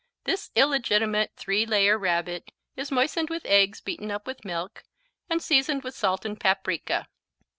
This illegitimate three layer Rabbit is moistened with eggs beaten up with milk, and seasoned with salt and paprika.